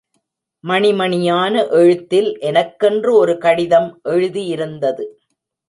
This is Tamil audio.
மணி மணியான எழுத்தில் எனக்கென்று ஒரு கடிதம் எழுதியிருந்தது.